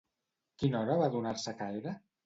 Quina hora va adonar-se que era?